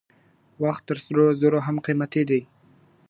وخت تر سرو زرو هم قيمتي دی.